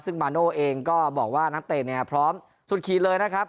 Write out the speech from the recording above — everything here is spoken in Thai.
ซึ่งมาโน่เองก็บอกว่านักเตะเนี่ยพร้อมสุดขีดเลยนะครับ